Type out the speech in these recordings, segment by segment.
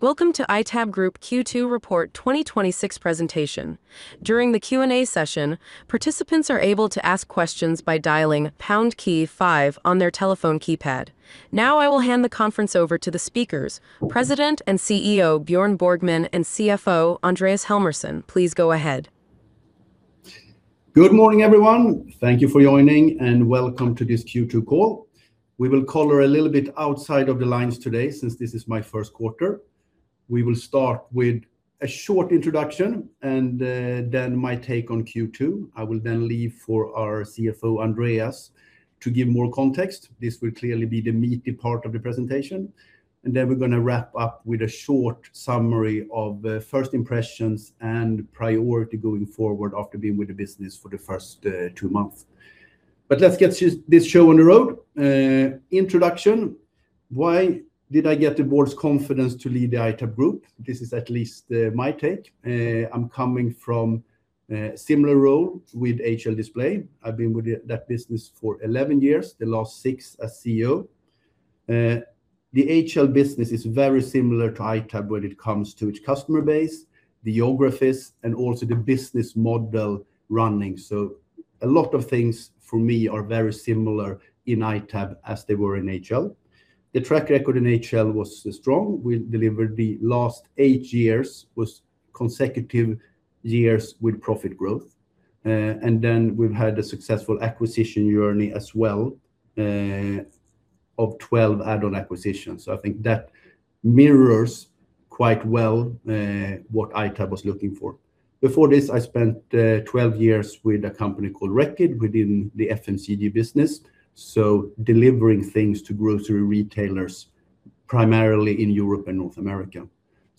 Welcome to ITAB Group Q2 Report 2026 presentation. During the Q&A session, participants are able to ask questions by dialing pound key five on their telephone keypad. I will hand the conference over to the speakers, President and CEO, Björn Borgman, and CFO, Andreas Helmersson. Please go ahead. Good morning, everyone. Thank you for joining, welcome to this Q2 call. We will color a little bit outside of the lines today since this is my first quarter. We will start with a short introduction my take on Q2. I will leave for our CFO, Andreas, to give more context. This will clearly be the meaty part of the presentation. We're going to wrap up with a short summary of first impressions and priority going forward after being with the business for the first two months. Let's get this show on the road. Introduction. Why did I get the board's confidence to lead the ITAB Group? This is at least my take. I'm coming from a similar role with HL Display. I've been with that business for 11 years, the last six as CEO. The HL business is very similar to ITAB when it comes to its customer base, geographies, and also the business model running. A lot of things for me are very similar in ITAB as they were in HL. The track record in HL was strong. We delivered the last eight years was consecutive years with profit growth. We've had a successful acquisition journey as well, of 12 add-on acquisitions. I think that mirrors quite well what ITAB was looking for. Before this, I spent 12 years with a company called Reckitt within the FMCG business, delivering things to grocery retailers, primarily in Europe and North America.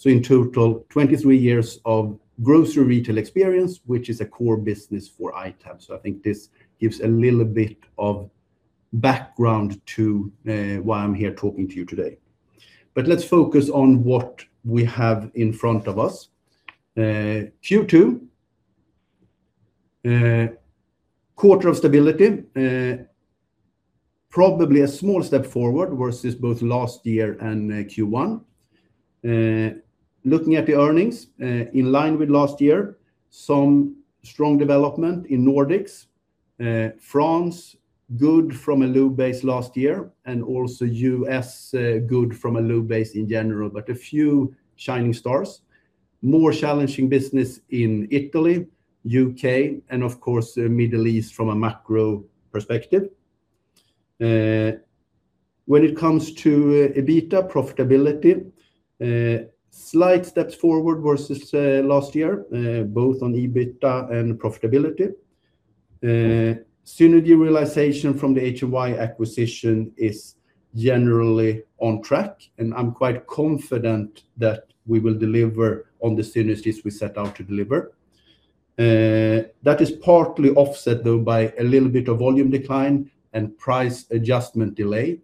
In total, 23 years of grocery retail experience, which is a core business for ITAB. I think this gives a little bit of background to why I'm here talking to you today. Let's focus on what we have in front of us. Q2, quarter of stability. Probably a small step forward versus both last year and Q1. Looking at the earnings, in line with last year, some strong development in Nordics. France, good from a low base last year, U.S., good from a low base in general, a few shining stars. More challenging business in Italy, U.K., and of course, Middle East from a macro perspective. When it comes to EBITDA profitability, slight steps forward versus last year, both on EBITDA and profitability. Synergy realization from the HMY acquisition is generally on track, I'm quite confident that we will deliver on the synergies we set out to deliver. That is partly offset, though, by a little bit of volume decline and price adjustment delay.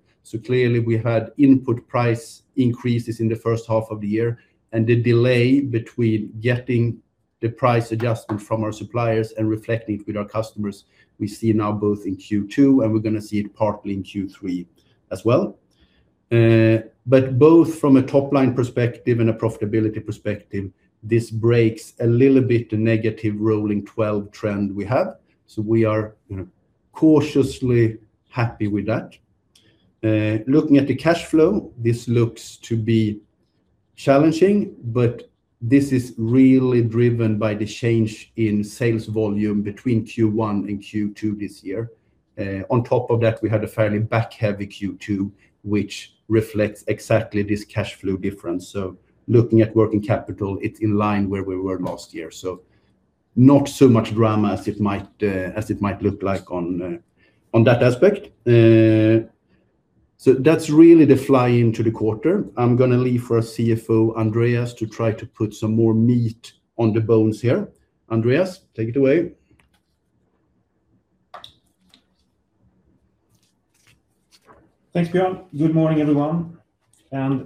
Clearly we had input price increases in the first half of the year and the delay between getting the price adjustment from our suppliers and reflecting with our customers, we see now both in Q2 and we're going to see it partly in Q3 as well. Both from a top-line perspective and a profitability perspective, this breaks a little bit the negative rolling 12 trend we have. We are cautiously happy with that. Looking at the cash flow, this looks to be challenging, but this is really driven by the change in sales volume between Q1 and Q2 this year. On top of that, we had a fairly back-heavy Q2, which reflects exactly this cash flow difference. Looking at working capital, it's in line where we were last year. Not so much drama as it might look like on that aspect. That's really the fly into the quarter. I'm going to leave for our CFO, Andreas, to try to put some more meat on the bones here. Andreas, take it away. Thanks, Björn. Good morning, everyone.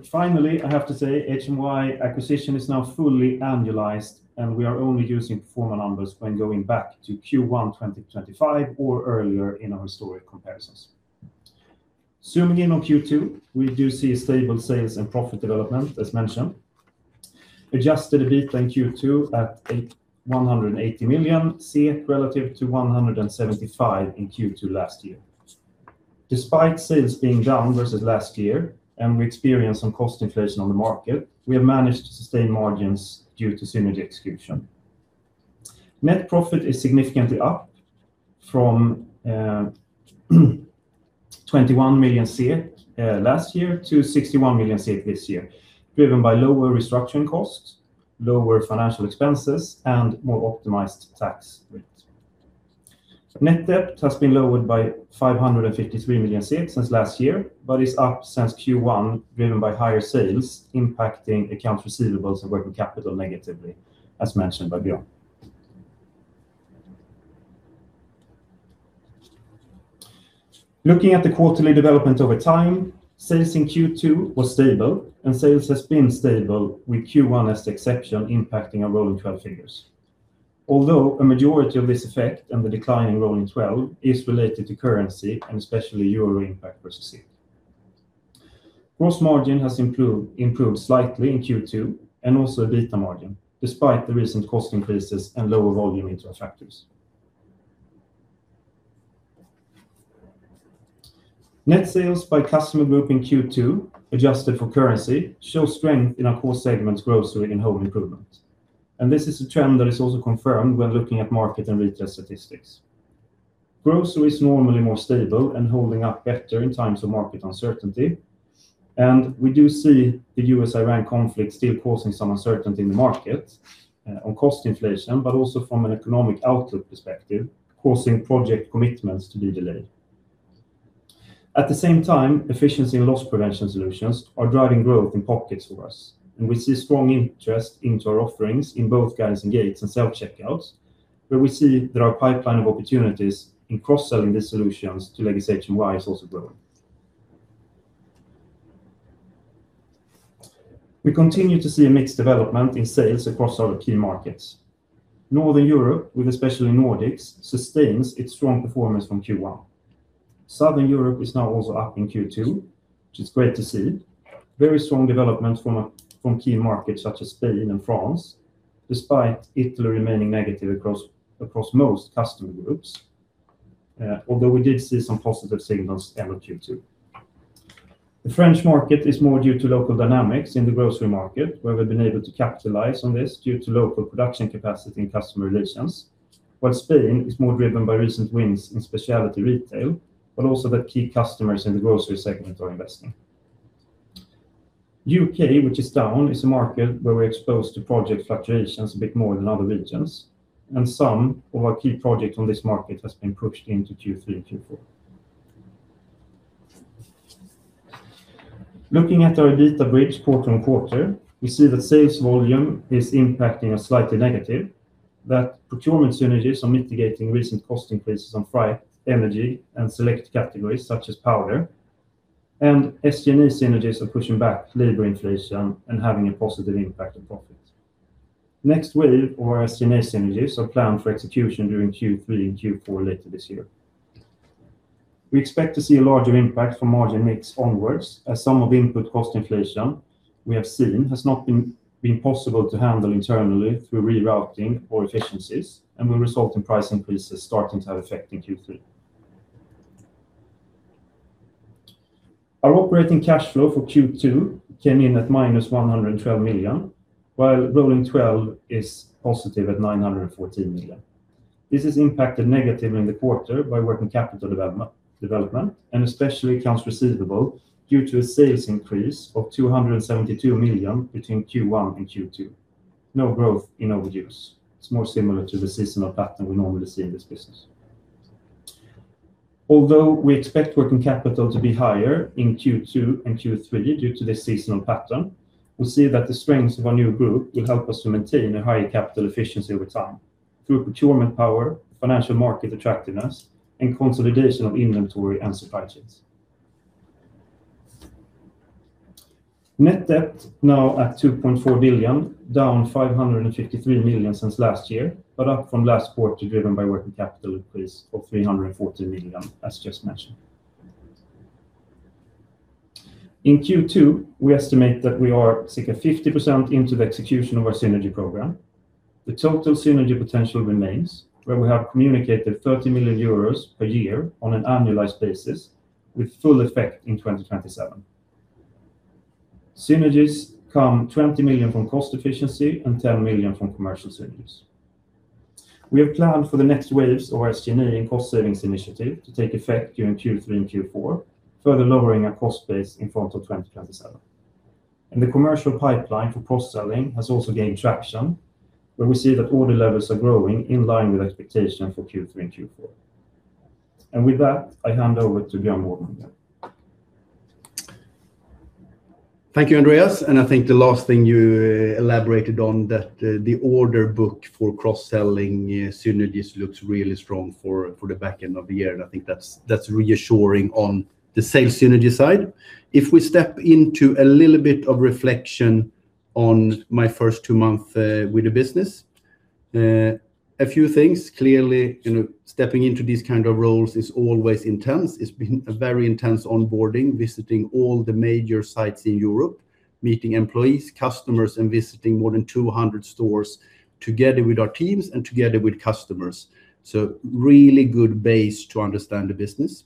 Finally, I have to say, HMY acquisition is now fully annualized, and we are only using formal numbers when going back to Q1 2025 or earlier in our historic comparisons. Zooming in on Q2, we do see stable sales and profit development, as mentioned. Adjusted EBITDA in Q2 at 180 million relative to 175 in Q2 last year. Despite sales being down versus last year and we experienced some cost inflation on the market, we have managed to sustain margins due to synergy execution. Net profit is significantly up from 21 million last year to 61 million this year, driven by lower restructuring costs, lower financial expenses, more optimized tax rates. Net debt has been lowered by 553 million since last year, is up since Q1, driven by higher sales impacting accounts receivables and working capital negatively, as mentioned by Björn. Looking at the quarterly development over time, sales in Q2 were stable and sales have been stable with Q1 as the exception impacting our rolling 12 figures. Although a majority of this effect and the decline in rolling 12 is related to currency and especially EUR impact versus SEK. Gross margin has improved slightly in Q2, also EBITDA margin, despite the recent cost increases and lower volume intro factors. Net sales by customer group in Q2, adjusted for currency, show strength in our core segments grocery and home improvement. This is a trend that is also confirmed when looking at market and retail statistics. Grocery is normally more stable and holding up better in times of market uncertainty. We do see the US-Iran conflict still causing some uncertainty in the market on cost inflation, but also from an economic outlook perspective, causing project commitments to be delayed. At the same time, efficiency and loss prevention solutions are driving growth in pockets for us, and we see strong interest into our offerings in both guides and gates and self-checkouts, where we see that our pipeline of opportunities in cross-selling these solutions to legacy HMY is also growing. We continue to see a mixed development in sales across our key markets. Northern Europe, with especially Nordics, sustains its strong performance from Q1. Southern Europe is now also up in Q2, which is great to see. Very strong development from key markets such as Spain and France, despite Italy remaining negative across most customer groups, although we did see some positive signals end of Q2. The French market is more due to local dynamics in the grocery market, where we've been able to capitalize on this due to local production capacity and customer relations, while Spain is more driven by recent wins in speciality retail, but also that key customers in the grocery segment are investing. U.K., which is down, is a market where we're exposed to project fluctuations a bit more than other regions, and some of our key projects on this market has been pushed into Q3 and Q4. Looking at our EBITDA bridge quarter-on-quarter, we see that sales volume is impacting us slightly negative, that procurement synergies are mitigating recent cost increases on freight, energy, and select categories such as powder, and SG&A synergies are pushing back labor inflation and having a positive impact on profits. Next wave or SG&A synergies are planned for execution during Q3 and Q4 later this year. We expect to see a larger impact from margin mix onwards as some of input cost inflation we have seen has not been possible to handle internally through rerouting or efficiencies and will result in price increases starting to have effect in Q3. Our operating cash flow for Q2 came in at -112 million, while rolling 12 is positive at 914 million. This is impacted negatively in the quarter by working capital development, and especially accounts receivable, due to a sales increase of 272 million between Q1 and Q2. No growth in overdues. It's more similar to the seasonal pattern we normally see in this business. Although we expect working capital to be higher in Q2 and Q3 due to the seasonal pattern, we see that the strengths of our new group will help us to maintain a higher capital efficiency over time through procurement power, financial market attractiveness, and consolidation of inventory and supply chains. Net debt now at 2.4 billion, down 553 million since last year, but up from last quarter, driven by working capital increase of 314 million, as just mentioned. In Q2, we estimate that we are 50% into the execution of our synergy program. The total synergy potential remains where we have communicated 30 million euros per year on an annualized basis with full effect in 2027. Synergies come 20 million from cost efficiency and 10 million from commercial synergies. We have planned for the next waves of SG&A and cost savings initiative to take effect during Q3 and Q4, further lowering our cost base in front of 2027. The commercial pipeline for cross-selling has also gained traction, where we see that order levels are growing in line with expectation for Q3 and Q4. With that, I hand over to Björn Borgman again. Thank you, Andreas, I think the last thing you elaborated on that the order book for cross-selling synergies looks really strong for the back end of the year, I think that's reassuring on the sales synergy side. If we step into a little bit of reflection on my first two month with the business, a few things. Clearly, stepping into these kind of roles is always intense. It's been a very intense onboarding, visiting all the major sites in Europe, meeting employees, customers, and visiting more than 200 stores together with our teams and together with customers. Really good base to understand the business.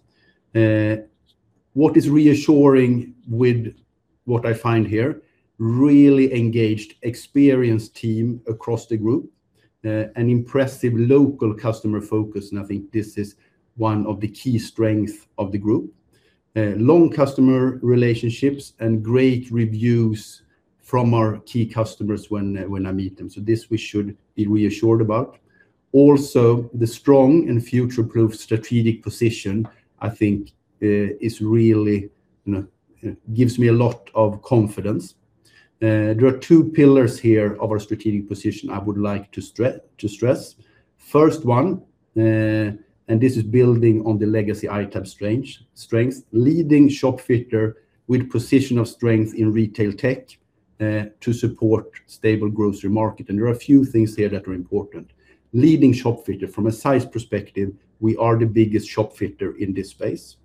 What is reassuring with what I find here, really engaged, experienced team across the group, an impressive local customer focus, and I think this is one of the key strength of the group. Long customer relationships and great reviews from our key customers when I meet them. This we should be reassured about. The strong and future-proof strategic position, I think is really gives me a lot of confidence. There are two pillars here of our strategic position I would like to stress. First one. This is building on the legacy ITAB strength, leading shopfitter with position of strength in retail tech to support stable grocery market. There are a few things here that are important. Leading shopfitter from a size perspective, we are the biggest shopfitter in this space.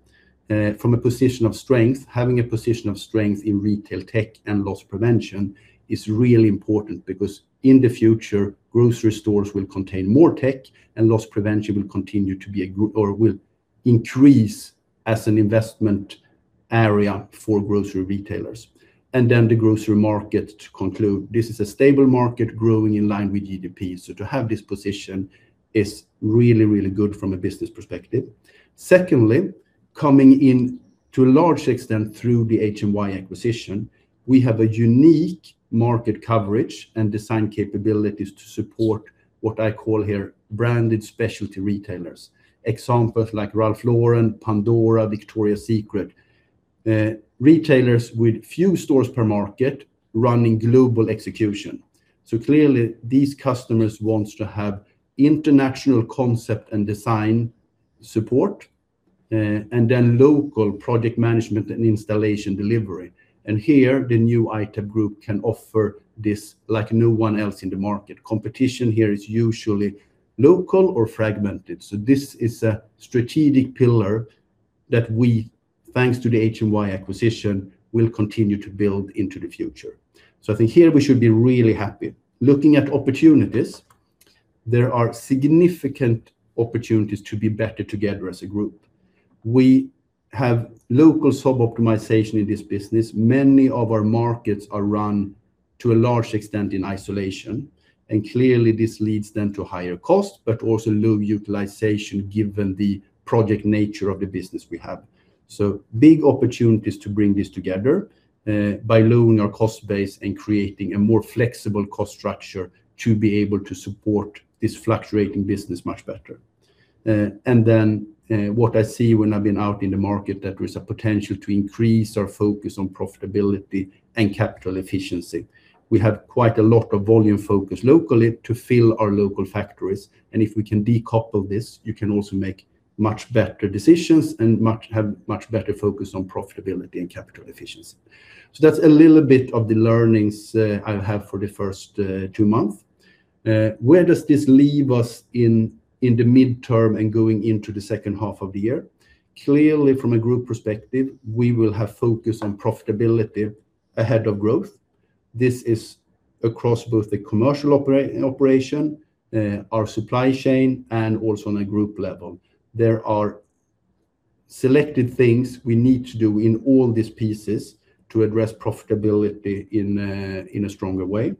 From a position of strength, having a position of strength in retail tech and loss prevention is really important because in the future, grocery stores will contain more tech and loss prevention will increase as an investment area for grocery retailers. The grocery market, to conclude, this is a stable market growing in line with GDP. To have this position is really good from a business perspective. Secondly, coming in to a large extent through the HMY acquisition, we have a unique market coverage and design capabilities to support what I call here branded specialty retailers. Examples like Ralph Lauren, Pandora, Victoria's Secret, retailers with few stores per market running global execution. Clearly these customers want to have international concept and design support, local project management and installation delivery. Here the new ITAB Group can offer this like no one else in the market. Competition here is usually local or fragmented. This is a strategic pillar that we, thanks to the HMY acquisition, will continue to build into the future. I think here we should be really happy. Looking at opportunities, there are significant opportunities to be better together as a group. We have local sub-optimization in this business. Many of our markets are run to a large extent in isolation. Clearly this leads then to higher cost, but also low utilization given the project nature of the business we have. Big opportunities to bring this together, by lowering our cost base and creating a more flexible cost structure to be able to support this fluctuating business much better. What I see when I've been out in the market, that there's a potential to increase our focus on profitability and capital efficiency. We have quite a lot of volume focus locally to fill our local factories, and if we can decouple this, you can also make much better decisions and have much better focus on profitability and capital efficiency. That's a little bit of the learnings I have for the first two months. Where does this leave us in the midterm and going into the second half of the year? Clearly from a group perspective, we will have focus on profitability ahead of growth. This is across both the commercial operation, our supply chain, and also on a group level. There are selected things we need to do in all these pieces to address profitability in a stronger way.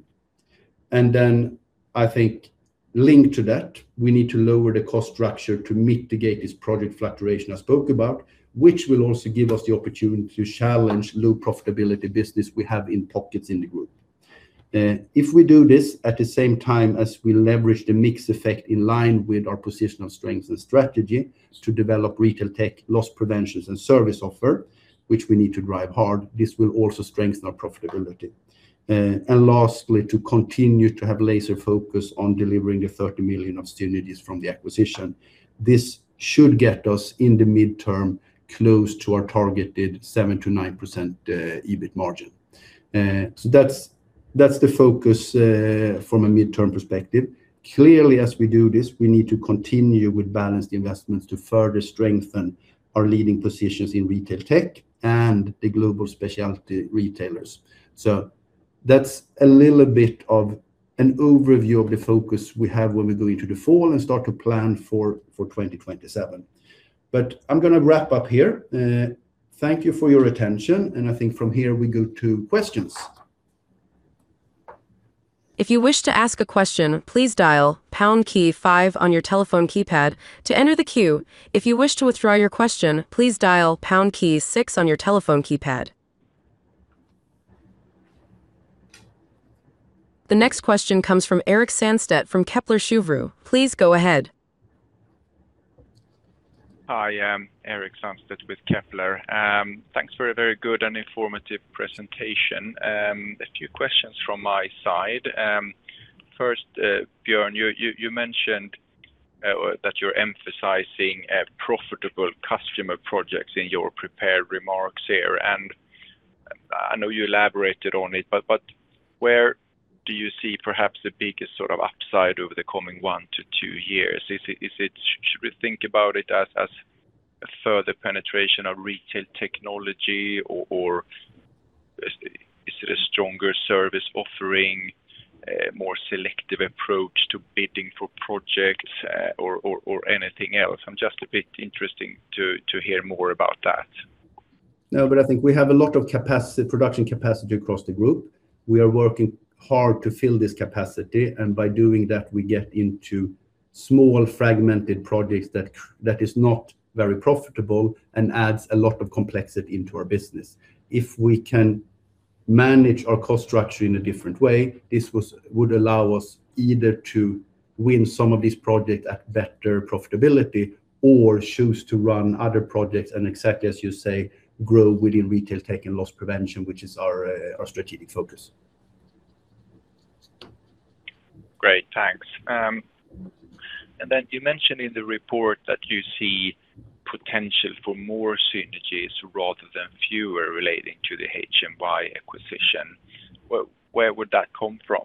I think linked to that, we need to lower the cost structure to mitigate this project fluctuation I spoke about, which will also give us the opportunity to challenge low profitability business we have in pockets in the group. If we do this at the same time as we leverage the mix effect in line with our position of strength and strategy to develop retail tech, loss prevention, and service offer, which we need to drive hard, this will also strengthen our profitability. Lastly, to continue to have laser focus on delivering the 30 million of synergies from the acquisition. This should get us in the midterm close to our targeted 7%-9% EBIT margin. That's the focus from a midterm perspective. Clearly, as we do this, we need to continue with balanced investments to further strengthen our leading positions in retail tech and the global specialty retailers. That's a little bit of an overview of the focus we have when we go into the fall and start to plan for 2027. I'm going to wrap up here. Thank you for your attention. I think from here we go to questions. If you wish to ask a question, please dial pound key five on your telephone keypad to enter the queue. If you wish to withdraw your question, please dial pound key six on your telephone keypad. The next question comes from Erik Sandstedt from Kepler Cheuvreux. Please go ahead. Hi, Erik Sandstedt with Kepler. Thanks for a very good and informative presentation. A few questions from my side. First, Björn, you mentioned that you're emphasizing profitable customer projects in your prepared remarks here, and I know you elaborated on it, but where do you see perhaps the biggest sort of upside over the coming one to two years? Should we think about it as a further penetration of retail technology, or is it a stronger service offering, more selective approach to bidding for projects or anything else? I'm just a bit interested to hear more about that. I think we have a lot of production capacity across the group. We are working hard to fill this capacity, and by doing that, we get into small fragmented projects that is not very profitable and adds a lot of complexity into our business. If we can manage our cost structure in a different way, this would allow us either to win some of these projects at better profitability or choose to run other projects and exactly as you say, grow within retail tech and loss prevention, which is our strategic focus. Great. Thanks. You mentioned in the report that you see potential for more synergies rather than fewer relating to the HMY acquisition. Where would that come from?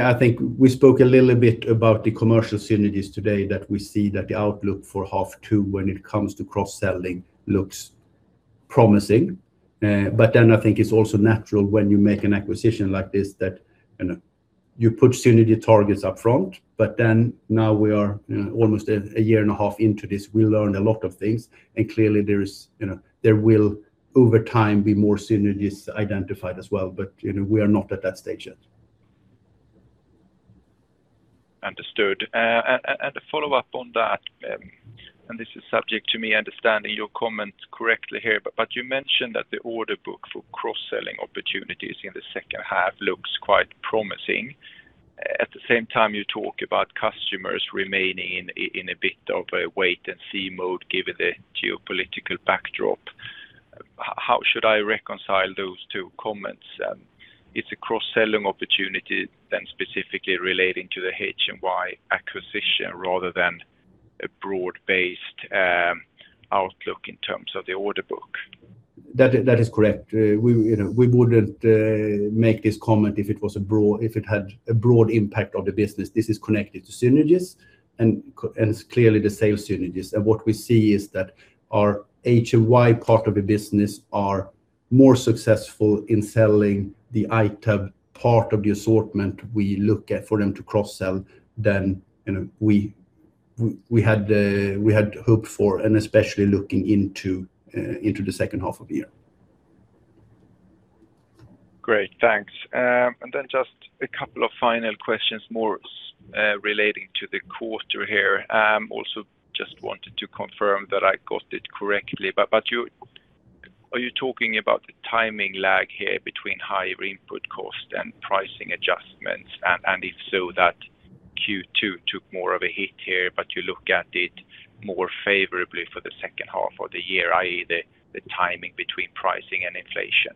I think we spoke a little bit about the commercial synergies today that we see that the outlook for half two when it comes to cross-selling looks promising. I think it's also natural when you make an acquisition like this that you put synergy targets up front, now we are almost a year and a half into this. We learn a lot of things, and clearly there will over time be more synergies identified as well. We are not at that stage yet. Understood. A follow-up on that, this is subject to me understanding your comment correctly here, you mentioned that the order book for cross-selling opportunities in the second half looks quite promising. At the same time, you talk about customers remaining in a bit of a wait and see mode given the geopolitical backdrop. How should I reconcile those two comments? It's a cross-selling opportunity specifically relating to the HMY acquisition rather than a broad-based outlook in terms of the order book. That is correct. We wouldn't make this comment if it had a broad impact on the business. This is connected to synergies and clearly the sales synergies. What we see is that our HMY part of the business are more successful in selling the ITAB part of the assortment we look at for them to cross-sell than we had hoped for, and especially looking into the second half of the year. Great. Thanks. Just a couple of final questions more relating to the quarter here. Also just wanted to confirm that I got it correctly, are you talking about the timing lag here between higher input cost and pricing adjustments? If so, that Q2 took more of a hit here, but you look at it more favorably for the second half of the year, i.e. the timing between pricing and inflation?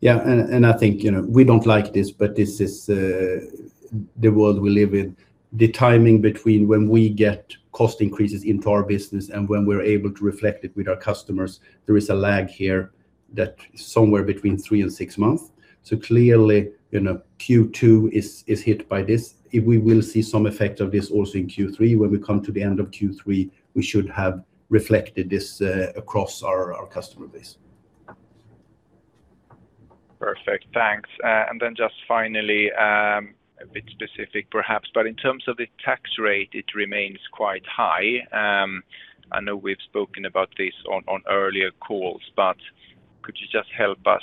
Yeah, I think we don't like this is the world we live in. The timing between when we get cost increases into our business and when we're able to reflect it with our customers, there is a lag here that somewhere between three and six months. Clearly, Q2 is hit by this. We will see some effect of this also in Q3. When we come to the end of Q3, we should have reflected this across our customer base. Perfect. Thanks. Just finally, a bit specific perhaps, in terms of the tax rate, it remains quite high. I know we've spoken about this on earlier calls, could you just help us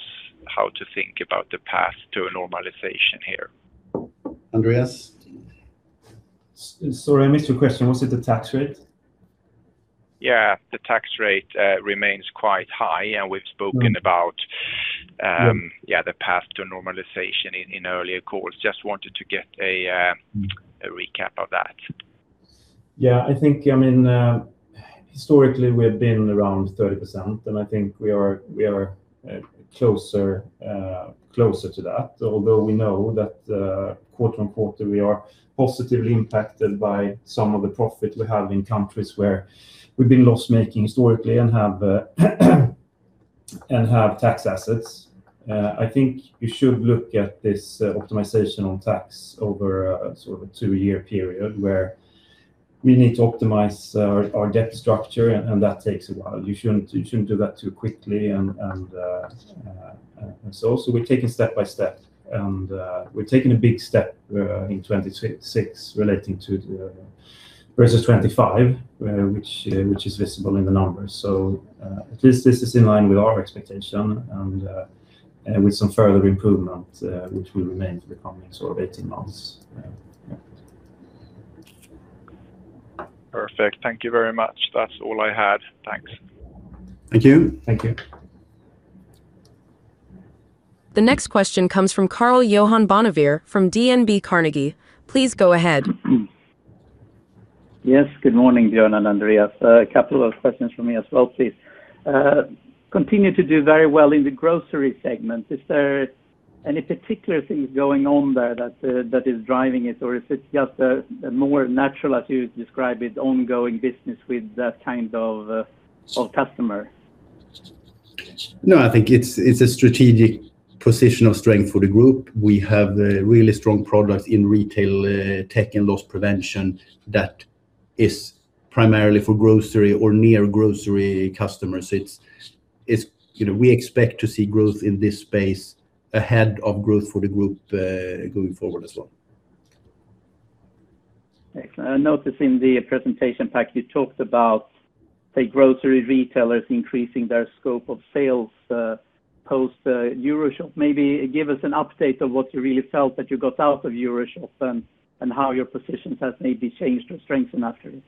how to think about the path to a normalization here? Andreas? Sorry, I missed your question. Was it the tax rate? Yeah, the tax rate remains quite high. Yeah Yeah, the path to normalization in earlier calls. Just wanted to get a recap of that. Yeah, I think, historically we have been around 30%, and I think we are closer to that. Although we know that quarter-on-quarter, we are positively impacted by some of the profit we have in countries where we've been loss-making historically and have tax assets. I think you should look at this optimization on tax over a sort of a two year period where we need to optimize our debt structure. That takes a while. You shouldn't do that too quickly. We're taking step by step. We're taking a big step in 2026 relating to versus 2025, which is visible in the numbers. This is in line with our expectation and with some further improvement, which will remain for the coming sort of 18 months. Yeah. Perfect. Thank you very much. That's all I had. Thanks. Thank you. Thank you. The next question comes from Karl Bonnevier from DNB Carnegie. Please go ahead. Yes, good morning, Björn and Andreas. A couple of questions from me as well, please. Continue to do very well in the grocery segment. Is there any particular things going on there that is driving it, or is it just a more natural, as you describe it, ongoing business with that kind of customer? No, I think it's a strategic position of strength for the group. We have really strong products in retail tech and loss prevention that is primarily for grocery or near grocery customers. We expect to see growth in this space ahead of growth for the group going forward as well. Excellent. I notice in the presentation pack you talked about, say, grocery retailers increasing their scope of sales post EuroShop. Maybe give us an update of what you really felt that you got out of EuroShop and how your positions has maybe changed or strengthened after this.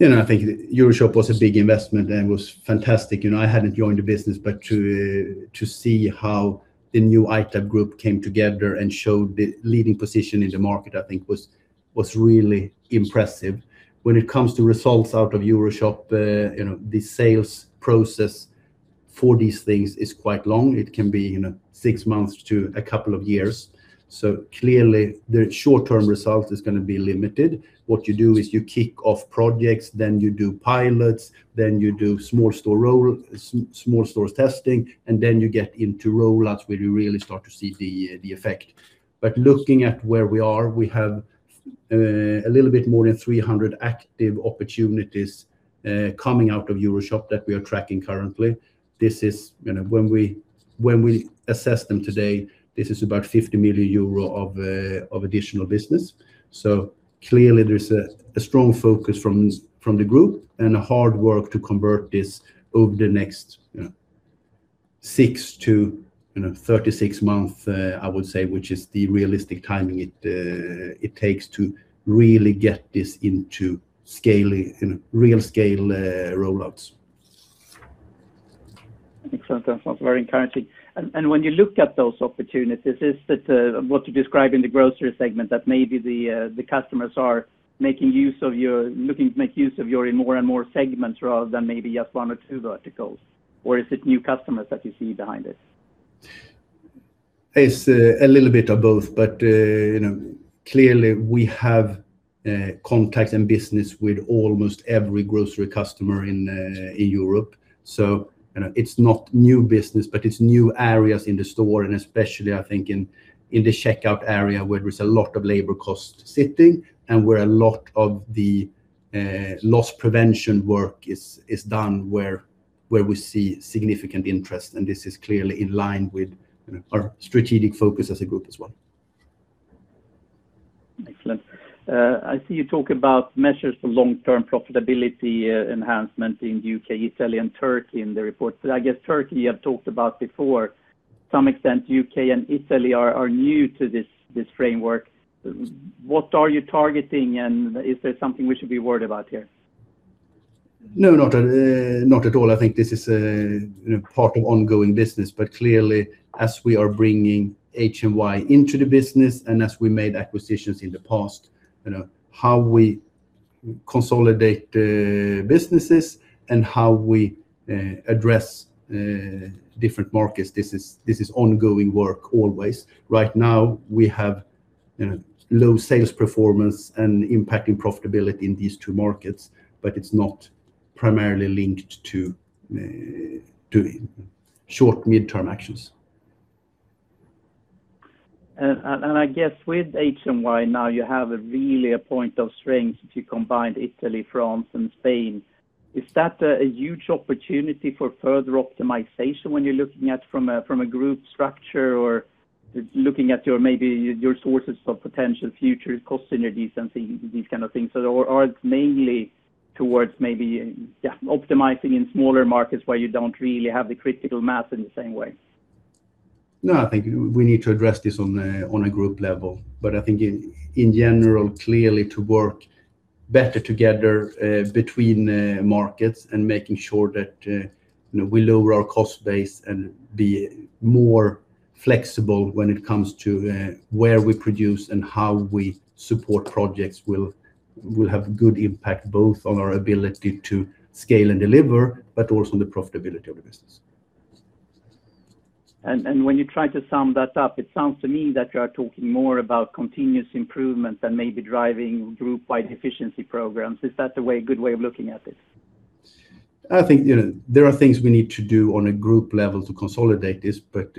I think EuroShop was a big investment and was fantastic. I hadn't joined the business, but to see how the new ITAB Group came together and showed the leading position in the market, I think was really impressive. When it comes to results out of EuroShop, the sales process For these things is quite long. It can be six months to a couple of years. Clearly, the short-term result is going to be limited. What you do is you kick off projects, then you do pilots, then you do small stores testing, and then you get into roll-outs where you really start to see the effect. Looking at where we are, we have a little bit more than 300 active opportunities coming out of EuroShop that we are tracking currently. When we assess them today, this is about 50 million euro of additional business. Clearly there's a strong focus from the group and hard work to convert this over the next 6-36 month, I would say, which is the realistic timing it takes to really get this into real scale roll-outs. Excellent. That sounds very encouraging. When you look at those opportunities, is it what you describe in the grocery segment, that maybe the customers are looking to make use of your more and more segments rather than maybe just one or two verticals? Is it new customers that you see behind this? It's a little bit of both. Clearly, we have contacts and business with almost every grocery customer in Europe. It's not new business, but it's new areas in the store, and especially, I think in the checkout area where there's a lot of labor cost sitting and where a lot of the loss prevention work is done, where we see significant interest, and this is clearly in line with our strategic focus as a group as well. Excellent. I see you talk about measures for long-term profitability enhancement in the U.K., Italy and Türkiye in the report. I guess Türkiye you have talked about before. To some extent U.K. and Italy are new to this framework. What are you targeting, and is there something we should be worried about here? No, not at all. I think this is part of ongoing business. Clearly, as we are bringing HMY into the business and as we made acquisitions in the past, how we consolidate businesses and how we address different markets, this is ongoing work always. Right now, we have low sales performance and impacting profitability in these two markets, but it's not primarily linked to short mid-term actions. I guess with HMY now you have really a point of strength if you combined Italy, France and Spain. Is that a huge opportunity for further optimization when you're looking at from a group structure or looking at maybe your sources for potential future cost synergies and these kind of things? It's mainly towards maybe optimizing in smaller markets where you don't really have the critical mass in the same way? I think we need to address this on a group level. I think in general, clearly to work better together between markets and making sure that we lower our cost base and be more flexible when it comes to where we produce and how we support projects will have good impact both on our ability to scale and deliver, but also on the profitability of the business. When you try to sum that up, it sounds to me that you are talking more about continuous improvement than maybe driving group-wide efficiency programs. Is that a good way of looking at this? I think there are things we need to do on a group level to consolidate this, but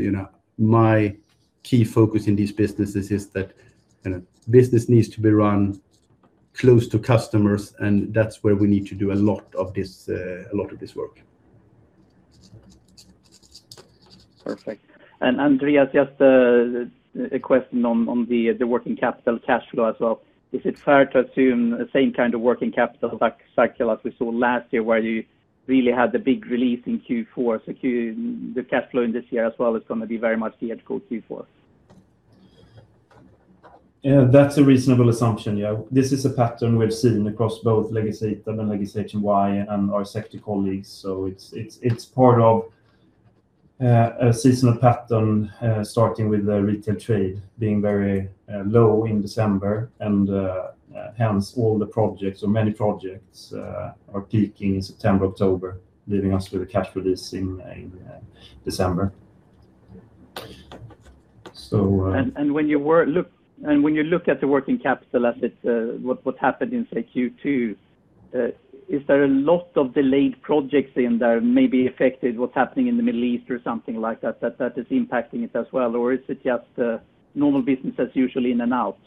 my key focus in these businesses is that business needs to be run close to customers, and that's where we need to do a lot of this work. Perfect. Andreas, just a question on the working capital cash flow as well. Is it fair to assume the same kind of working capital cycle as we saw last year where you really had the big release in Q4? The cash flow in this year as well is going to be very much the head toward Q4. That's a reasonable assumption, yeah. This is a pattern we've seen across both legacy ITAB and legacy HMY and our sector colleagues. It's part of a seasonal pattern starting with retail trade being very low in December, and hence all the projects or many projects are peaking in September, October, leaving us with a cash release in December. When you look at the working capital, what happened in, say, Q2, is there a lot of delayed projects in there maybe affected what's happening in the Middle East or something like that is impacting it as well? Is it just normal business as usual in and out?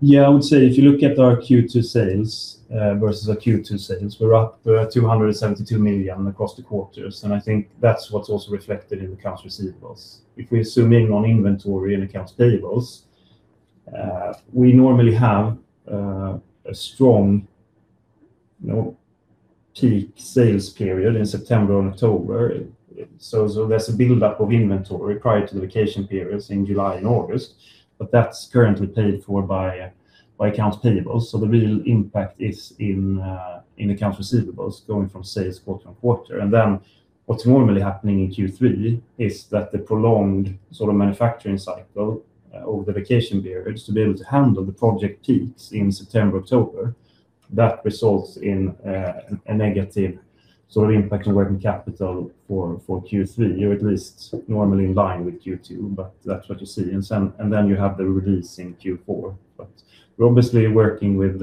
Yeah, I would say if you look at our Q2 sales versus our Q1 sales, we're up 272 million across the quarters, and I think that's what's also reflected in accounts receivables. If we zoom in on inventory and accounts payables, we normally have a strong peak sales period in September and October. There's a buildup of inventory prior to the vacation periods in July and August, but that's currently paid for by accounts payables. The real impact is in accounts receivables going from sales quarter-on-quarter. What's normally happening in Q3 is that the prolonged manufacturing cycle over the vacation period is to be able to handle the project peaks in September, October. That results in a negative impact on working capital for Q3, or at least normally in line with Q2, but that's what you see. You have the release in Q4. We're obviously working with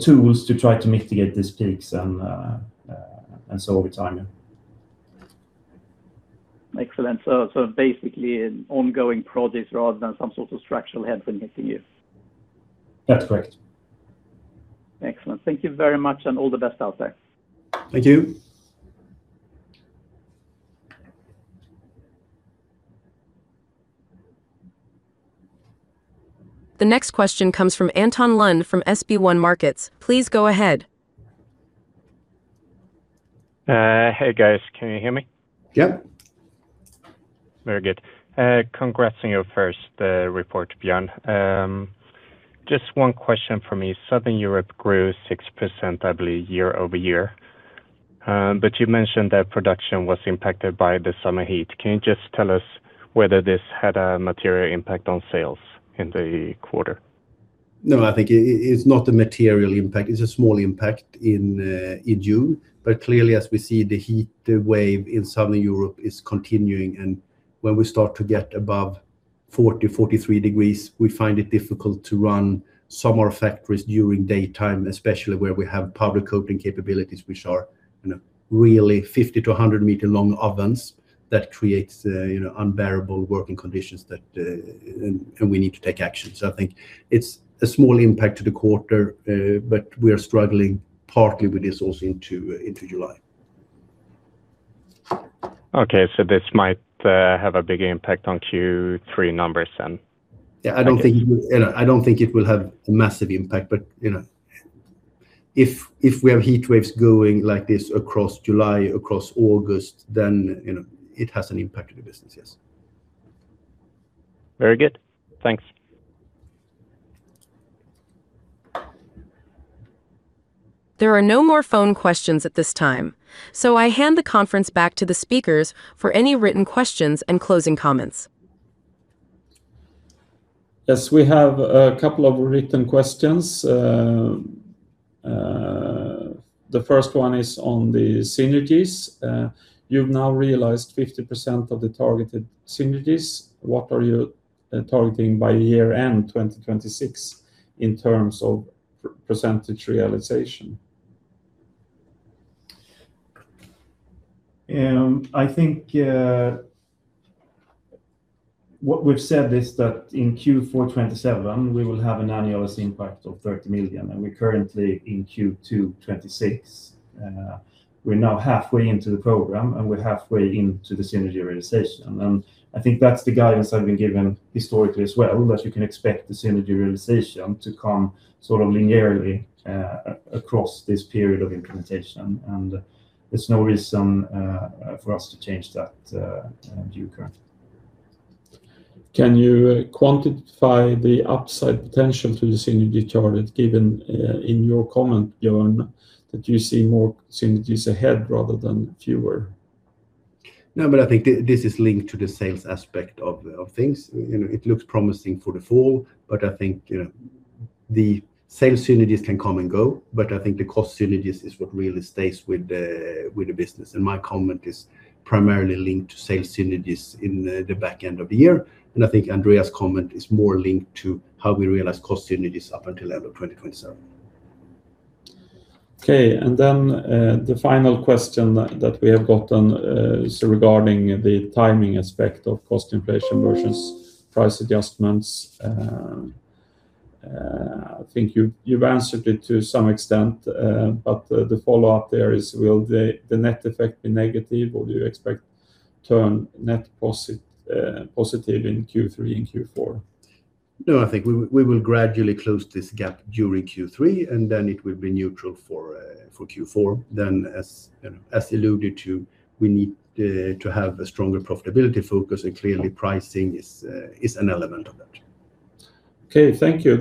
tools to try to mitigate these peaks and sort the timing. Excellent. Basically an ongoing project rather than some sort of structural headwind hitting you? That's correct. Excellent. Thank you very much and all the best out there. Thank you. The next question comes from Anton Lund from SEB Markets. Please go ahead. Hey, guys. Can you hear me? Yeah. Very good. Congrats on your first report, Björn. Just one question from me. Southern Europe grew 6%, I believe, year-over-year. You mentioned that production was impacted by the summer heat. Can you just tell us whether this had a material impact on sales in the quarter? I think it's not a material impact. It's a small impact in June. Clearly, as we see, the heat wave in Southern Europe is continuing, and when we start to get above 40, 43 degrees, we find it difficult to run some of our factories during daytime, especially where we have powder coating capabilities, which are really 50-100-meter-long ovens that creates unbearable working conditions and we need to take action. I think it's a small impact to the quarter, but we are struggling partly with this also into July. This might have a big impact on Q3 numbers. I don't think it will have a massive impact, if we have heat waves going like this across July, across August, it has an impact on the business, yes. Very good. Thanks. There are no more phone questions at this time, I hand the conference back to the speakers for any written questions and closing comments. Yes, we have a couple of written questions. The first one is on the synergies. You've now realized 50% of the targeted synergies. What are you targeting by year-end 2026 in terms of percentage realization? I think what we've said is that in Q4 2027, we will have an annual impact of 30 million, and we're currently in Q2 2026. We're now halfway into the program, and we're halfway into the synergy realization. I think that's the guidance I've been given historically as well, that you can expect the synergy realization to come linearly across this period of implementation. There's no reason for us to change that view currently. Can you quantify the upside potential to the synergy target given in your comment, Björn, that you see more synergies ahead rather than fewer? I think this is linked to the sales aspect of things. It looks promising for the fall. I think the sales synergies can come and go. I think the cost synergies is what really stays with the business. My comment is primarily linked to sales synergies in the back end of the year. I think Andreas' comment is more linked to how we realize cost synergies up until end of 2027. The final question that we have gotten is regarding the timing aspect of cost inflation versus price adjustments. I think you've answered it to some extent. The follow-up there is, will the net effect be negative, or do you expect turn net positive in Q3 and Q4? I think we will gradually close this gap during Q3, and then it will be neutral for Q4. As alluded to, we need to have a stronger profitability focus, and clearly pricing is an element of that. Okay, thank you.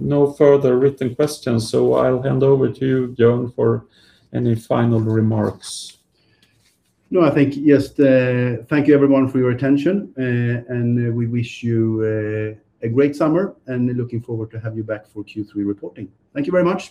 No further written questions, so I'll hand over to you, Björn, for any final remarks. I think just thank you, everyone, for your attention, and we wish you a great summer, and looking forward to have you back for Q3 reporting. Thank you very much